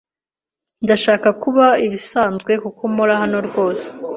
Ndashaka kuba ibisanzwe kuko mora hano rwose.